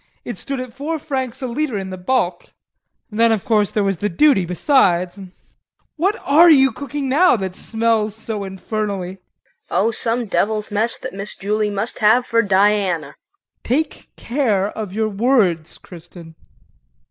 It stood at four francs a litre in the bulk; then of course there was the duty besides. What are you cooking now that smells so infernally? KRISTIN. Oh, it's some devil's mess that Miss Julie must have for Diana. JEAN. Take care of your words, Kristin.